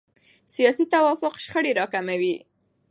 سیاسي توافق شخړې راکموي